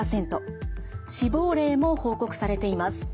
死亡例も報告されています。